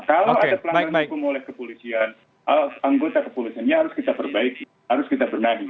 kalau ada pelanggaran hukum oleh kepolisian anggota kepolisiannya harus kita perbaiki harus kita benahi